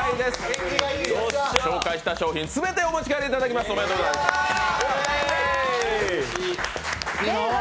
今日紹介した商品、全てお持ち帰りいただきます。